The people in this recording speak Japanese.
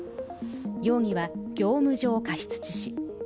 容疑は業務上過失致死。